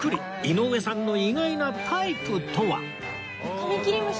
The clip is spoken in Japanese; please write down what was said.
井上さんの意外なタイプとは？